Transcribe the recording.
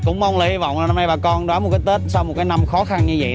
cũng mong là hy vọng năm nay bà con đón một cái tết sau một cái năm khó khăn như vậy